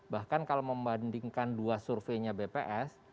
bahkan kalau membandingkan dua surveinya bps